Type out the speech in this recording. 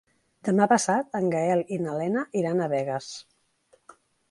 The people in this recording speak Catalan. Demà passat en Gaël i na Lena iran a Begues.